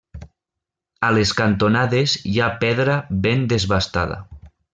A les cantonades hi ha pedra ben desbastada.